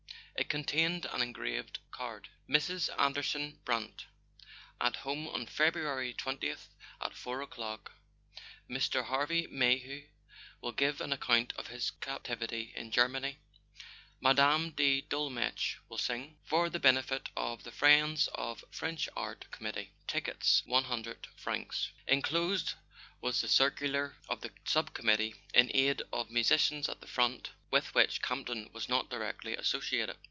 It con¬ tained an engraved card: Mrs. Anderson Brant At Home on February 20th at 4 o' 1 dock Mr. Harvey Mayhew will give an account of his captivity in Germany Mme. de Dolmetsch will sing For the benefit of the 11 Friends of French Art Committee '' Tickets 100 francs Enclosed was the circular of the sub committee in aid of Musicians at the Front, with which Campton was not directly associated.